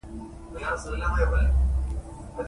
پښتانه نا ځوانه ګوزار کوي